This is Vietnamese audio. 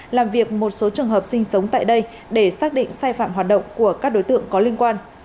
làm việc một số trường hợp sinh sống tại đây để xác định sai phạm hoạt động của các đối tượng có liên quan